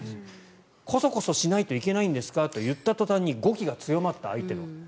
こそこそしないといけないんですかと言った途端に相手の語気が強まった。